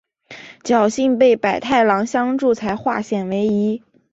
侥幸被百太郎相助才化险为夷。